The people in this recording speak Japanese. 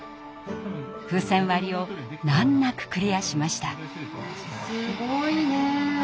風船割りを難なくクリアしました。